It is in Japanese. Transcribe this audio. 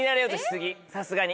さすがに。